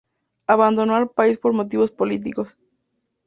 Abandonó el país por motivos políticos.